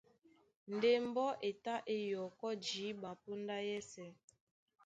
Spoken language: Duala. Ndé mbɔ́ e tá é yɔkɔ́ jǐɓa póndá yɛ́sɛ̄.